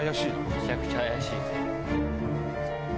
めちゃくちゃ怪しい。